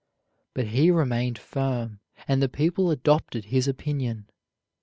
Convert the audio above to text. But he remained firm, and the people adopted his opinion.